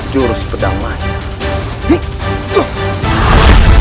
jurus pedang maya